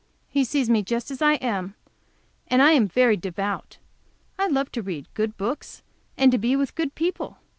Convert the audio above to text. He sees me just as I am. And I am very devout. I love to read good books and to be with good people.